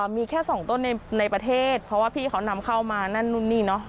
มีแค่สองต้นในประเทศเพราะว่าพี่เขานำเข้ามานั่นนู่นนี่เนอะ